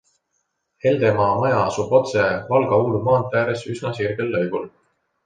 Heldemaa maja asub otse Valga-Uulu maantee ääres üsna sirgel lõigul.